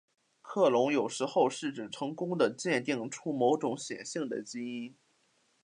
克隆有时候是指成功地鉴定出某种显性的基因。